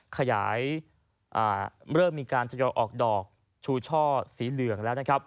ขยายเริ่มมีการที่จะออกดอกชูช่อสีเหลืองแล้ว